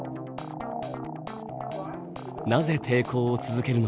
なぜ抵抗を続けるのか。